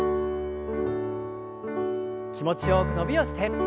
気持ちよく伸びをして。